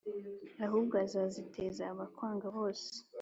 ahubwo azaziteza abakwanga bose.